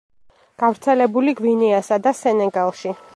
გავრცელებული გვინეასა და სენეგალში.